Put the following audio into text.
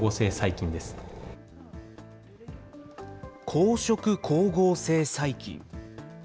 紅色光合成細菌。